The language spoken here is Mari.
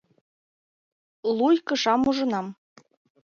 Луй кышам ужынам.